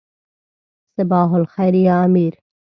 صباح الخیر یا امیر.